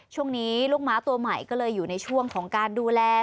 ช่วงนี้ลูกม้าตัวใหม่ก็เลยอยู่ในช่วงของการดูแล